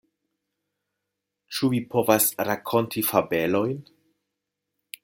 Ĉu vi povas rakonti fabelojn?